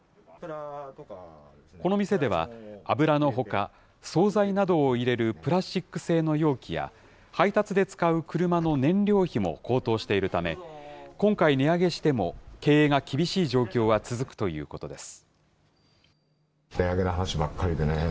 この店では、油のほか総菜などを入れるプラスチック製の容器や、配達で使う車の燃料費も高騰しているため、今回、値上げしても、経営が厳しい状況は続くということです。